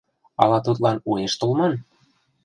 Ала тудлан уэш толман?